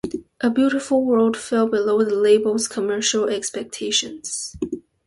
"A Beautiful World" fell below the label's commercial expectations.